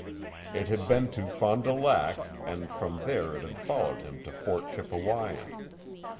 It had been to Fond du Lac, and from there it had followed him to Fort Chippewyan.